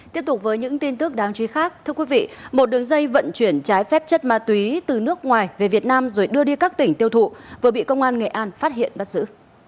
tiếp tục với những tin tức đáng chú ý khác thưa quý vị một đường dây vận chuyển trái phép chất ma túy từ nước ngoài về việt nam rồi đưa đi các tỉnh tiêu thụ vừa bị công an nghệ an phát hiện bắt giữ